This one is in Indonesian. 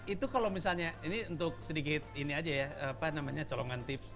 itu kalau misalnya ini untuk sedikit ini aja ya apa namanya colongan tips